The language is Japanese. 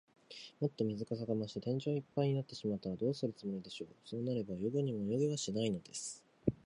もっと水かさが増して、天井いっぱいになってしまったら、どうするつもりでしょう。そうなれば、泳ごうにも泳げはしないのです。